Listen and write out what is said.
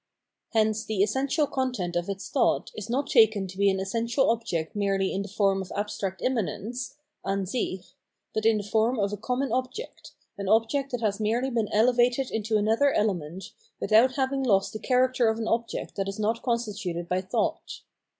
Hence the essential content of its thought is not taken to be an essential object merely in the form of abstract immanence (Ansich), but in the form of a common object, an object that has merely been elevated into another element, without having lost the character of an object that is not constituted by thought.